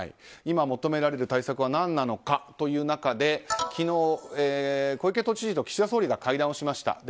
今、求められる対策は何なのかという中で昨日、小池都知事と岸田総理が会談をしました。